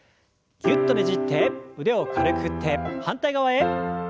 ぎゅっとねじって腕を軽く振って反対側へ。